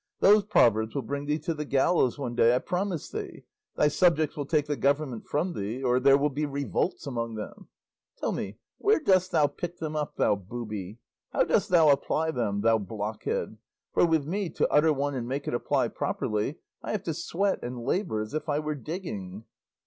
Those proverbs will bring thee to the gallows one day, I promise thee; thy subjects will take the government from thee, or there will be revolts among them. Tell me, where dost thou pick them up, thou booby? How dost thou apply them, thou blockhead? For with me, to utter one and make it apply properly, I have to sweat and labour as if I were digging."